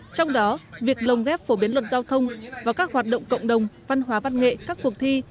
trong đó việc lồng ghép phổ biến luật giao thông vào các hoạt động cộng đồng văn hóa văn nghệ các cuộc thi